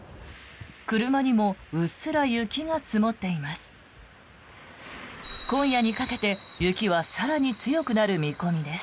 車にもうっすら雪が積もっています。